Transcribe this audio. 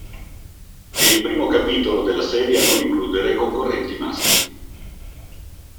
È il primo capitolo della serie a non includere concorrenti maschi.